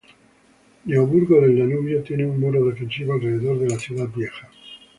Neoburgo del Danubio tiene un muro defensivo alrededor de la ciudad vieja.